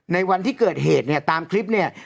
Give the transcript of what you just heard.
ในวันที่เกิดเหตุเนี่ยตามคลิปเนี่ย